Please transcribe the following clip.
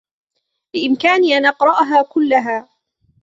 بإمكاني أن أقرأها كلها.